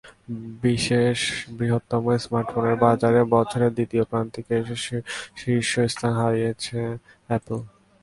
বিশ্বের বৃহত্তম স্মার্টফোনের বাজারে বছরের দ্বিতীয় প্রান্তিকে এসে শীর্ষস্থান হারিয়েছে অ্যাপল।